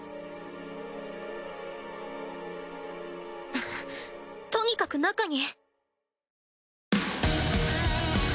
エ？とにかく中に！